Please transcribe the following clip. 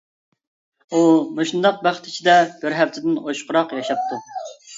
ئۇ مۇشۇنداق بەخت ئىچىدە بىر ھەپتىدىن ئوشۇقراق ياشاپتۇ.